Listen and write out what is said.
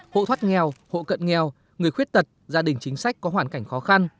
hộ thoát nghèo hộ cận nghèo người khuyết tật gia đình chính sách có hoàn cảnh khó khăn